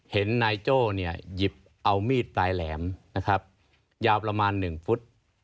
เห็นนายโจ้หยิบเอามีดปลายแหลมยาวประมาณหนึ่งฟุต